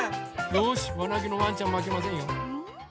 よしわなげのワンちゃんまけませんよ。